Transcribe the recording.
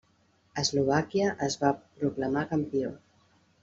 Eslovàquia es va proclamar campió.